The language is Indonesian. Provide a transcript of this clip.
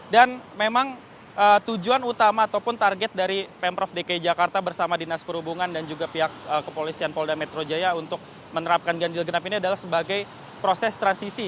dan memang tujuan utama ataupun target dari pemprov dki jakarta bersama dinas perhubungan dan juga pihak kepolisian polda metro jaya untuk menerapkan ganjil kenap ini adalah sebagai proses transisi